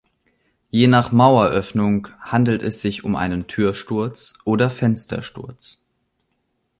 Je nach Maueröffnung handelt es sich um einen Türsturz oder Fenstersturz.